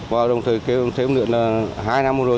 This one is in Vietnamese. và đồng thời cái ứng lượng là hai năm vừa rồi